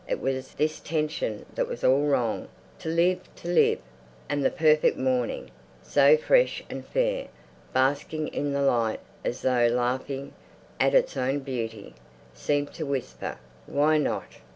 It was this tension that was all wrong. To live—to live! And the perfect morning, so fresh and fair, basking in the light, as though laughing at its own beauty, seemed to whisper, "Why not?"